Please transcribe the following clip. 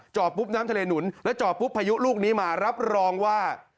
ปุ๊บน้ำทะเลหนุนแล้วจอบปุ๊บพายุลูกนี้มารับรองว่า